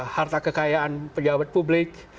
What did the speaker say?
harta kekayaan pejabat publik